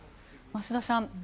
増田さん